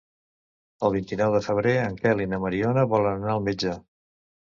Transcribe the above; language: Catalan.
El vint-i-nou de febrer en Quel i na Mariona volen anar al metge.